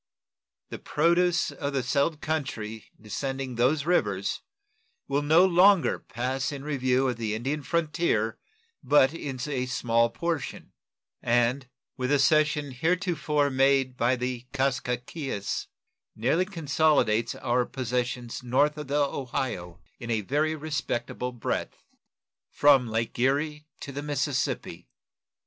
The produce of the settled country descending those rivers will no longer pass in review of the Indian frontier but in a small portion, and, with the cession heretofore made by the Kaskaskias, nearly consolidates our possessions north of the Ohio, in a very respectable breadth from Lake Erie to the Mississippi.